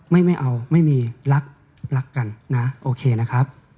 ไม่ไม่เอาไม่มีรักรักกันนะโอเคนะครับ